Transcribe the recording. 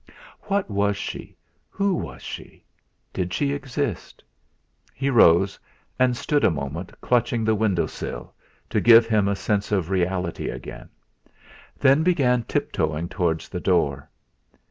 What was she, who was she, did she exist? He rose and stood a moment clutching the window sill, to give him a sense of reality again; then began tiptoeing towards the door.